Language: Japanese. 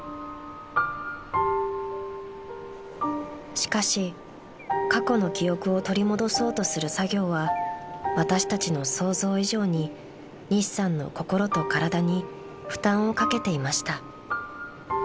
［しかし過去の記憶を取り戻そうとする作業は私たちの想像以上に西さんの心と体に負担をかけていました］